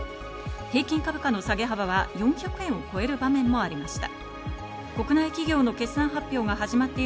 平均株価の下げ幅は４００円を超える場面もありました。